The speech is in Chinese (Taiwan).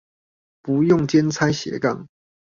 不用兼差斜槓